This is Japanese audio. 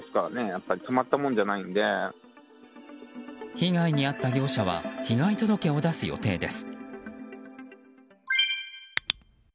被害に遭った業者は被害届を出す予定です。